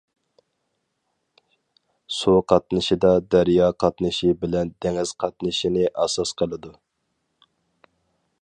سۇ قاتنىشىدا دەريا قاتنىشى بىلەن دېڭىز قاتنىشىنى ئاساس قىلىدۇ.